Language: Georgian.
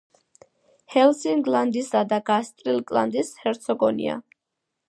ჰელსინგლანდისა და გასტრიკლანდის ჰერცოგინია.